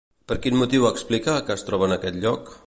Per quin motiu explica que es troba en aquest lloc?